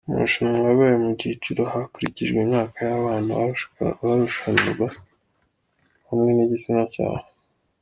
Amarushanwa yabaye mu byiciro hakurikijwe imyaka y’abana barushanwaga hamwe n’igitsina cyabo.